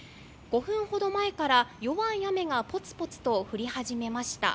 ５分ほど前から弱い雨がポツポツと降り始めました。